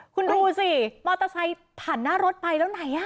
คุณดูสิมอเตอร์ไซค์ผ่านหน้ารถไปแล้วไหนอ่ะ